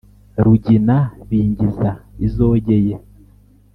rugina bingiza izogeye